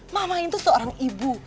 mama itu seorang ibu